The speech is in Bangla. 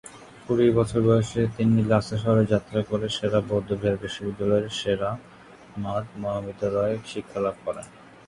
কুড়ি বছর বয়সে তিনি লাসা শহরে যাত্রা করে সেরা বৌদ্ধবিহার বিশ্ববিদ্যালয়ের সে-রা-স্মাদ মহাবিদ্যালয়ে শিক্ষালাভ করেন।